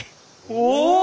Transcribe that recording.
おお！